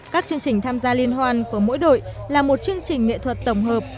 các chương trình tham gia liên hoan của mỗi đội là một chương trình nghệ thuật tổng hợp